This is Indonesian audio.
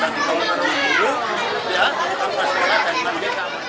dan kalau terlalu buruk dia di tempat sholat dan di mandi